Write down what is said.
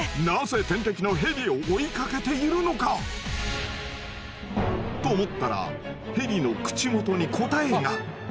なぜ天敵のヘビを追いかけているのか⁉と思ったらヘビの口元に答えが！